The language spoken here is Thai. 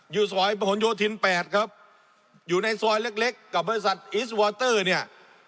อยู่ซอยประหลโยธิน๘ครับอยู่ในซอยเล็กเล็กกับบริษัทอิสวอเตอร์เนี่ย